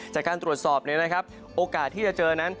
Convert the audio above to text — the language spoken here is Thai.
จากการตรวจสอบโอกาสที่จะเจอนั้น